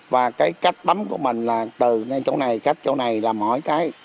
và cái cách bấm của mình là từ nên chỗ này cách chỗ này là mỗi cái